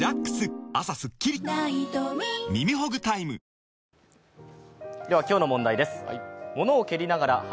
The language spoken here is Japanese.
続いて今日の問題です。